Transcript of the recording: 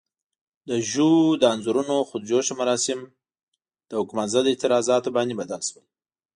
د ژو د انځورونو خود جوشه مراسم د حکومت ضد اعتراضاتو باندې بدل شول.